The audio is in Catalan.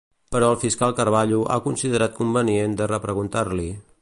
Però el fiscal Carballo ha considerat convenient de repreguntar-l'hi.